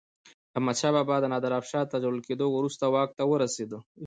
احمدشاه بابا د نادر افشار تر وژل کېدو وروسته واک ته ورسيد.